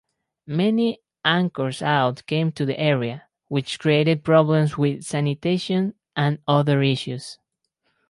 Many anchor-outs came to the area, which created problems with sanitation and other issues.